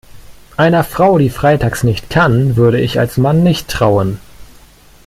Einer Frau, die Freitags nicht kann, würde ich als Mann nicht trauen.